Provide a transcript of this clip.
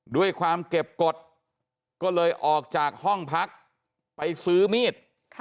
ด้วยความเก็บกฎก็เลยออกจากห้องพักไปซื้อมีด